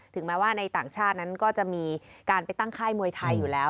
แม้ว่าในต่างชาตินั้นก็จะมีการไปตั้งค่ายมวยไทยอยู่แล้ว